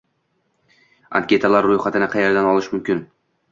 anketalar ro‘yxatini qayerdan olish mumkin?